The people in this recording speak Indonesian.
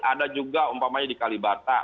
ada juga umpamanya di kalibata